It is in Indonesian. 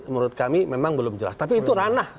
menurut kami memang belum jelas tapi itu ranah